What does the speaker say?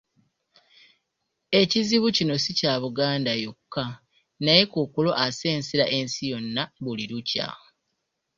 Ekizibu kino si kya Buganda yokka naye kkookolo asensera ensi yonna buli lukya.